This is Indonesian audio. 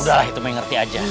udah lah itu mengerti aja